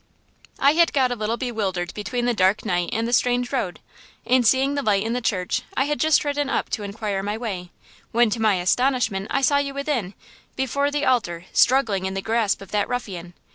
I had got a little bewildered between the dark night and the strange road, and, seeing the light in the church, I had just ridden up to inquire my way, when to my astonishment I saw you within, before the altar, struggling in the grasp of that ruffian.